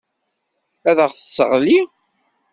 Ad aɣ-tesseɣli.